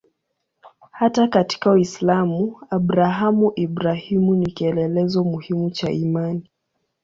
Hata katika Uislamu Abrahamu-Ibrahimu ni kielelezo muhimu cha imani.